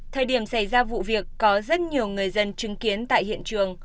thời điểm xảy ra vụ việc có rất nhiều người dân chứng kiến tại hiện trường